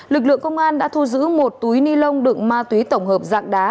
lực lượng công an đã thu giữ một túi ni lông đựng ma túy tổng hợp dạng đá